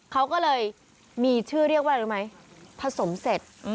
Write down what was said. เขาก็เลยมีชื่อเรียกว่าอะไรรู้ไหมผสมเสร็จ